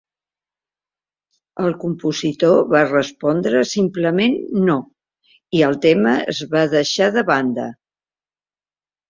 El compositor va respondre simplement "No" i el tema es va deixar de banda.